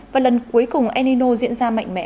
và lần cuối cùng el nino diễn ra mạnh mẽ